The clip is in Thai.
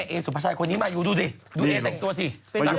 อะไรทำให้มายูคิดอย่างนั้นลูก